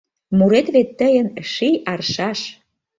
Мурет вет тыйын ший аршаш.